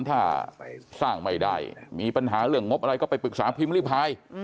ถ้าสร้างไม่ได้มีปัญหาเรื่องงบอะไรก็ไปปรึกษาพิมพ์ริพาย